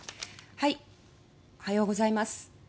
おはようございます。